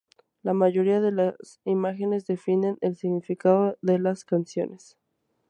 La mayoría de las imágenes definen el significado de las canciones.